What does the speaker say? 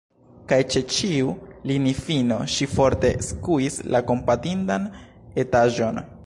Kaj ĉe ĉiu linifino ŝi forte skuis la kompatindan etaĵon.